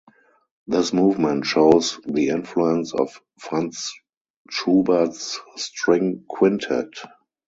This movement shows the influence of Franz Schubert's String Quintet.